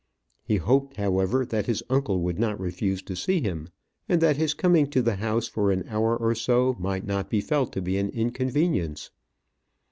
He hoped, however, that his uncle would not refuse to see him, and that his coming to the house for an hour or so might not be felt to be an inconvenience.